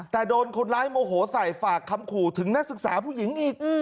แต่โดนคนร้ายโมโหใส่ฝากคำขู่ถึงนักศึกษาผู้หญิงอีก